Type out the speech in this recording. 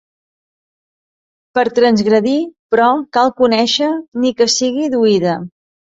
Per transgredir, però, cal conèixer, ni que sigui d'oïda.